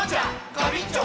ガビンチョ！